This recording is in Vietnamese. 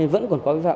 vẫn còn có vấn đề